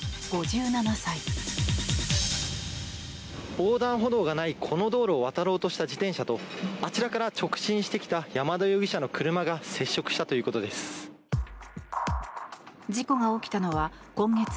横断歩道がないこの道路を渡ろうとした自転車とあちらから直進してきた山田容疑者の車が接触したということです。